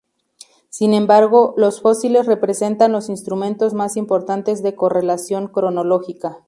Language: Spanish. Sin embargo, los fósiles representan los instrumentos más importantes de correlación cronológica.